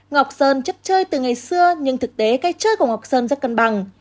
ngọc sơn chấp chơi từ ngày xưa nhưng thực tế cách chơi của ngọc sơn rất cân bằng